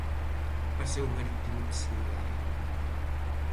Paseo Marítimo de Silgar.